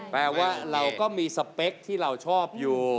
แปลว่าเราก็มีสเปคที่เราชอบอยู่